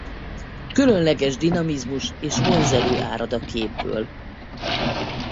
Különleges dinamizmus és vonzerő árad a képből.